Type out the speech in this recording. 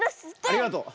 ありがとう。